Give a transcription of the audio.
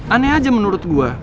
aneh aja menurut gue